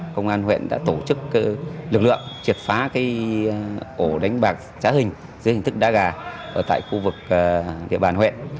công an huyện đã tổ chức lực lượng triệt phá ổ đánh bạc trá hình dưới hình thức đá gà ở tại khu vực địa bàn huyện